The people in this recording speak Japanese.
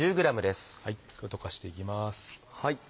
溶かしていきます。